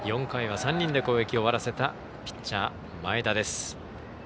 ４回は３人で攻撃を終わらせたピッチャー、前田です。